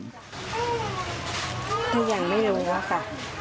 อย่างนี้ไม่รู้ค่ะ